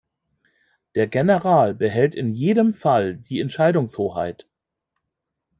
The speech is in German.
Der General behält in jedem Fall die Entscheidungshoheit.